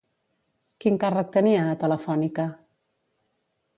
Quin càrrec tenia a Telefònica?